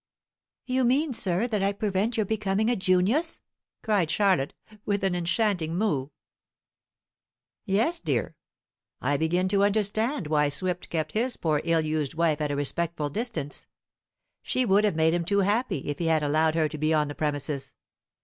"You mean, sir, that I prevent your becoming a Junius?" cried Charlotte, with an enchanting moue. "Yes, dear. I begin to understand why Swift kept his poor ill used wife at a respectful distance. She would have made him too happy if he had allowed her to be on the premises.